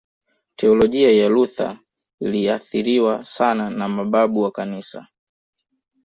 Teolojia ya Luther iliathiriwa sana na mababu wa kanisa